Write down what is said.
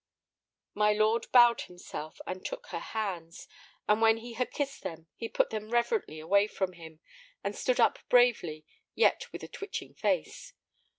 My lord bowed himself and took her hands, and when he had kissed them he put them reverently away from him, and stood up bravely, yet with a twitching face.